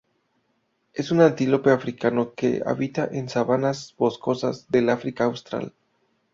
Es un antílope africano que habita en sabanas boscosas del África austral.